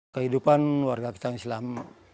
kehidupan warga kecang islam